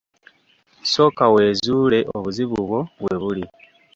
Sooka weezuule obuzibu bwo we buli.